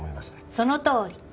そのとおり。